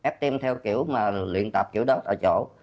ftm theo kiểu mà luyện tập kiểu đó tại chỗ